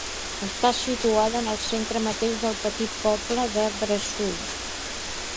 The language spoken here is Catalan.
Està situada en el centre mateix del petit poble de Bressui.